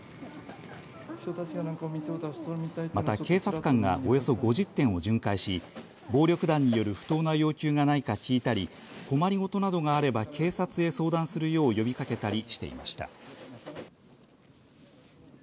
また、警察官がおよそ５０店を巡回し暴力団による不当な要求がないか聞いたり困り事などがあれば警察へ相談するよう呼びかけたりしていました。